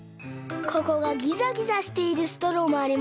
ここがギザギザしているストローもありますよね。